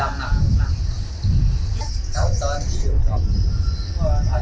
một lần nằm một lần